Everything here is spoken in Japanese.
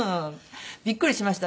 びっくりしました。